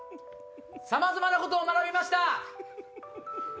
さまざまなことを学びました。